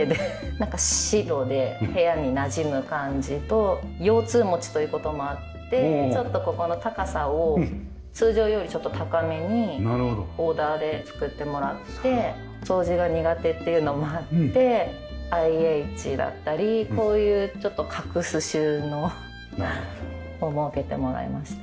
なんか白で部屋になじむ感じと腰痛持ちという事もあってちょっとここの高さを通常よりちょっと高めにオーダーで作ってもらって掃除が苦手っていうのもあってＩＨだったりこういうちょっと隠す収納を設けてもらいました。